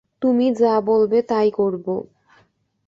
তুমি যা বলবে তাই করব।